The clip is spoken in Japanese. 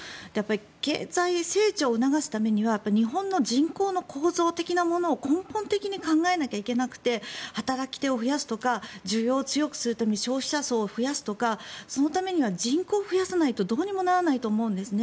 経済成長を促すためには日本の人口の構造的なものを根本的に考えないといけなくて働き手を増やすとか需要を強くするために消費者層を増やすとかそのためには人口を増やさないとどうにもならないと思うんですね。